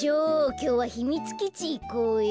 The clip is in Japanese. きょうはひみつきちいこうよ。